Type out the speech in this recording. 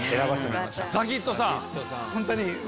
ザヒットさん。